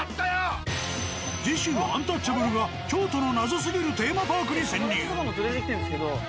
次週アンタッチャブルが京都の謎すぎるテーマパークに潜入。